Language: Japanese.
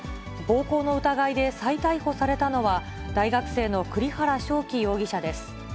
暴行の疑いで再逮捕されたのは、大学生の栗原翔輝容疑者です。